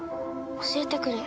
教えてくれ。